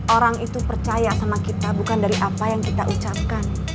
orang itu percaya sama kita bukan dari apa yang kita ucapkan